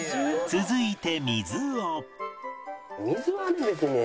続いて水を